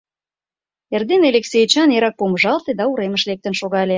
Эрдене Элексей Эчан эрак помыжалте да уремыш лектын шогале.